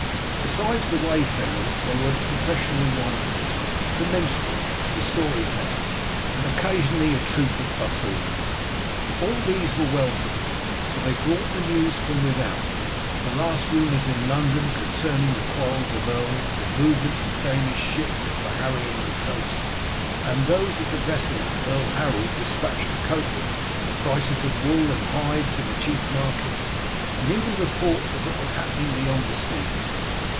Besides the wayfarers there were the professional wanderers, the minstrels, the story tellers, and occasionally a troupe of buffoons. All these were welcome, for they brought the news from without; the last rumours in London concerning the quarrels of the earls; the movements of the Danish ships that were harrying the coast, and those of the vessels Earl Harold despatched to cope with them; the prices of wool and hides in the chief markets; and even reports of what was happening beyond the seas.